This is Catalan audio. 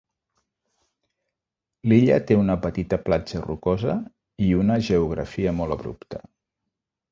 L'illa té una petita platja rocosa i una geografia molt abrupta.